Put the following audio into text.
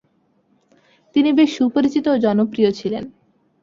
তিনি বেশ সুপরিচিত ও জনপ্রিয় ছিলেন।